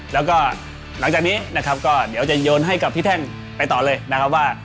แล้วก็หลังจากนี้นะครับก็เดี๋ยวจะโยนให้กับพี่แท่งไปต่อเลยนะครับว่า